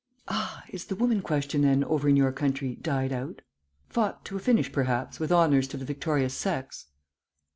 "Ah, is the woman question, then, over in your country died out? Fought to a finish, perhaps, with honours to the victorious sex?"